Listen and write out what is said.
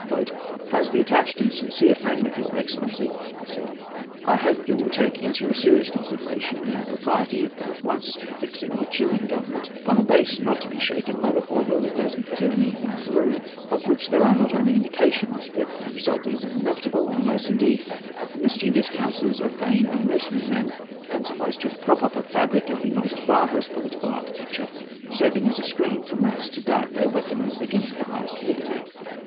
"As the attached and sincere friend of your excellency," he said, "I hope you will take into your serious consideration the propriety of at once fixing the Chilian Government upon a base not to be shaken by the fall of the present tyranny in Peru, of which there are not only indications, but the result is inevitable—unless, indeed, the mischievous counsels of vain and mercenary men can suffice to prop up a fabric of the most barbarous political architecture, serving as a screen from whence to dart their weapons against the heart of liberty.